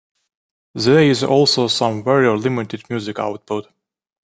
There is also some very limited music output.